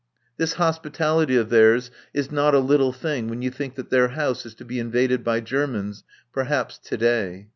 This hospitality of theirs is not a little thing when you think that their house is to be invaded by Germans, perhaps to day.